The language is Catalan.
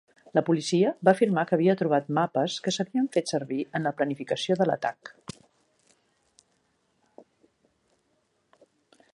La policia va afirmar que havia trobat mapes que s'havien fet servir en la planificació de l'atac.